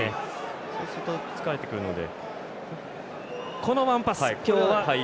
そうすると疲れてくるので。